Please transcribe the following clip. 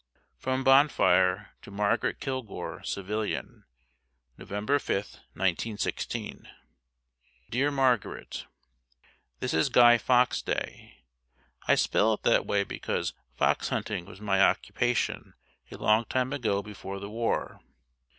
From Bonfire to Margaret Kilgour, Civilian November 5th, 1916. Dear Margaret: This is Guy Fox Day! I spell it that way because fox hunting was my occupation a long time ago before the war.